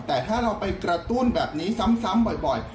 แต่ถ้าเราไปกระตุ้นแบบนี้ซ้ำบ่อย